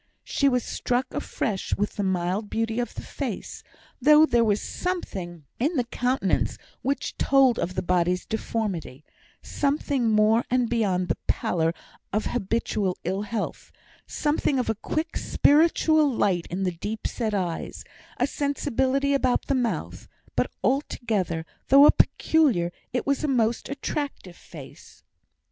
She was struck afresh with the mild beauty of the face, though there was something in the countenance which told of the body's deformity, something more and beyond the pallor of habitual ill health, something of a quick spiritual light in the deep set eyes, a sensibility about the mouth; but altogether, though a peculiar, it was a most attractive face.